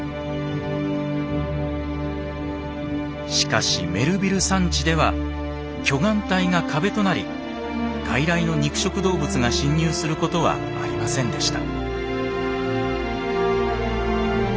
しかしメルヴィル山地では巨岩帯が壁となり外来の肉食動物が侵入することはありませんでした。